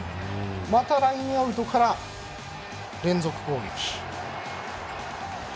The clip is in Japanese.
またラインアウトから連続攻撃。